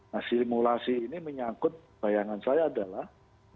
nah simulasi ini menyangkut bayangan saya adalah